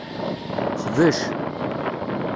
Xbec.